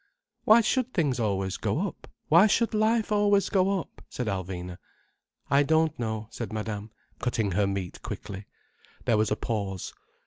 "Why should things always go up? Why should life always go up?" said Alvina. "I don't know," said Madame, cutting her meat quickly. There was a pause.